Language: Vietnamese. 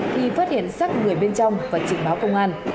thì phát hiện sát người bên trong và trình báo công an